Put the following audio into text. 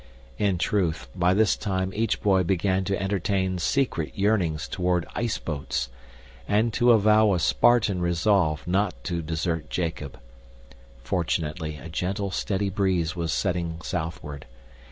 In truth, by this time each boy began to entertain secret yearnings toward iceboats, and to avow a Spartan resolve not to desert Jacob. Fortunately a gentle, steady breeze was setting southward.